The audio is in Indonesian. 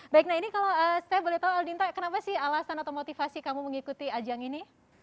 baik nah ini kalau saya boleh tahu aldinta kenapa sih alasan atau motivasi kamu mengikuti ajang ini